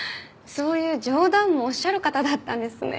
そういう冗談をおっしゃる方だったんですね。